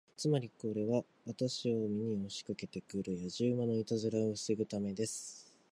つまり、これは私を見に押しかけて来るやじ馬のいたずらを防ぐためです。